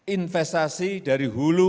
investasi dari hulu